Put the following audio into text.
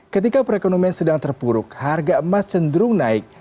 ketika perekonomian sedang terpuruk harga emas cenderung naik